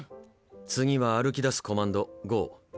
次は歩きだすコマンド「ゴー」。